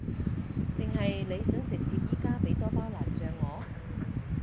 定係你想直接而家畀多包辣醬我？